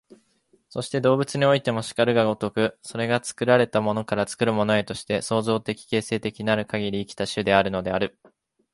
そして動物においても然るが如く、それが作られたものから作るものへとして、創造的形成的なるかぎり生きた種であるのである。